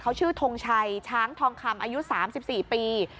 เขาชื่อทงชัยช้างทองคำอายุ๓๔ปี